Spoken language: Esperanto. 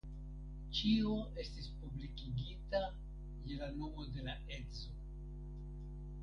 Ĉio estis publikigita je la nomo de la edzo.